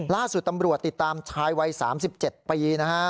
ล่าสุดตำรวจติดตามชายวัย๓๗ปีนะฮะ